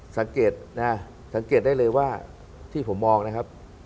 สังเกตนะสังเกตได้เลยว่าที่ผมมองนะครับ